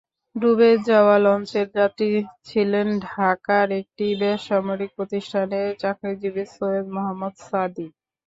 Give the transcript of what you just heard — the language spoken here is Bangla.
ডুবে যাওয়া লঞ্চের যাত্রী ছিলেন ঢাকার একটি বেসরকারি প্রতিষ্ঠানের চাকরিজীবী সৈয়দ মোহাম্মদ সাদী।